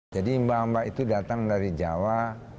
jadi mbak mbak itu datang dari jawa